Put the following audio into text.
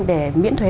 để miễn thuế